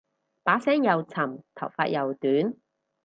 把聲又沉頭髮又短